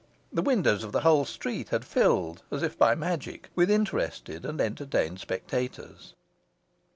The windows of the whole street had filled, as if by magic, with interested and entertained spectators.